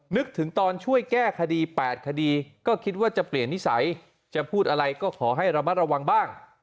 นึกถึงตอนช่วยแก้คดี๘คดีก็คิดว่าจะเปลี่ยนนิสัยจะพูดอะไรก็ขอให้ระมัดระวังบ้าง